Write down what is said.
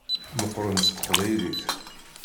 Meqqṛen-d s teqbaylit.